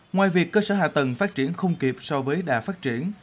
ngoài việc cơ sở hạ tầng phát triển không kịp so với đà phát triển